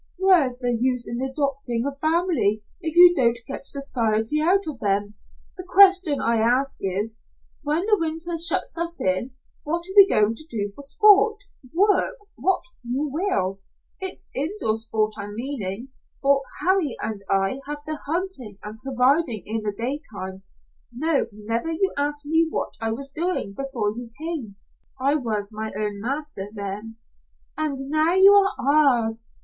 "Where's the use in adopting a family if you don't get society out of them? The question I ask is, when the winter shuts us in, what are we going to do for sport work what you will? It's indoor sport I'm meaning, for Harry and I have the hunting and providing in the daytime. No, never you ask me what I was doing before you came. I was my own master then " "And now you are ours?